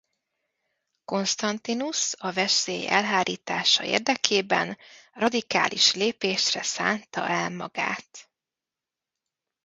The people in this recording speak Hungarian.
Constantius a veszély elhárítása érdekében radikális lépésre szánta el magát.